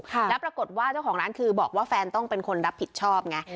แล้วปรากฏว่าเจ้าของร้านคือบอกว่าแฟนต้องเป็นคนรับผิดชอบไง